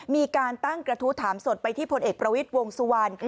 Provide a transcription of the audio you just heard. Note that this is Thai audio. มีการตั้งกระทู้ถามสดไปที่พลเอกประวิทย์วงสุวรรณ